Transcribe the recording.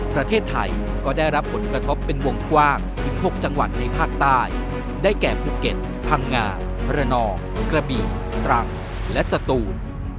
ประเทศไทยก็ได้รับผลกระทบเป็นวงกว้างถึง๖จังหวัดในภาคใต้ได้แก่ภูเก็ตพังงาระนองกระบี่ตรังและสตูน